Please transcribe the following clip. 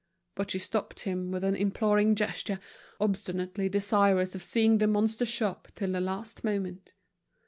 But she stopped him with an imploring gesture, obstinately desirous of seeing the monster shop till the last moment.